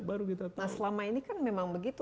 baru kita tau nah selama ini kan memang begitu